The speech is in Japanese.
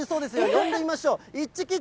呼んでみましょう。